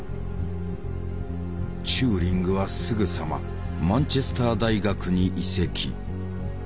チューリングはすぐさまマンチェスター大学に移籍。